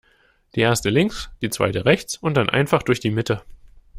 Die Erste links, die Zweite rechts und dann einfach durch die Mitte.